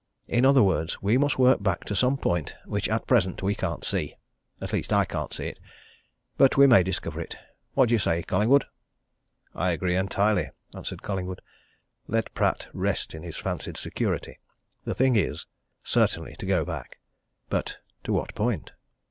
In other words, we must work back to some point which at present we can't see. At least, I can't see it. But we may discover it. What do you say, Collingwood?" "I agree entirely," answered Collingwood. "Let Pratt rest in his fancied security. The thing is, certainly, to go back. But to what point?"